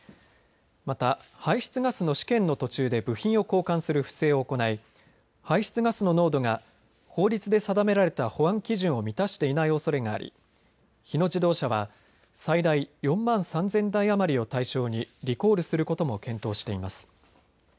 また排出ガスの試験の途中で部品を交換する不正を行い排出ガスの濃度が法律で定められた保安基準を満たしていないおそれがあり日野自動車は最大４万３０００台余りを対象にリコールすることも検討しています。